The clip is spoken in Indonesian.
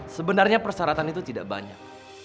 sebenarnya persyaratan itu tidak banyak